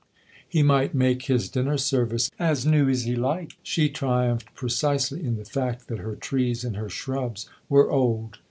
He might make his dinner service as new as he liked ; she triumphed precisely in the fact that her trees and her shrubs were old.